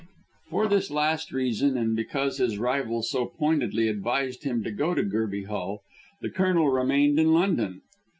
For this last reason, and because his rival so pointedly advised him to go to Gerby Hall, the Colonel remained in London.